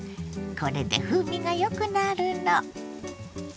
これで風味がよくなるの。